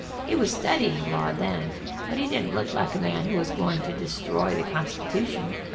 He was studying law then, but he didn't look like a man that was going to destroy the constitution.